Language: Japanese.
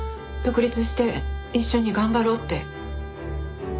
独立して一緒に頑張ろうって。